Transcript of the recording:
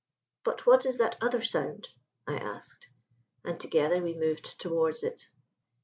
"But what is that other sound?" I asked, and together we moved towards it.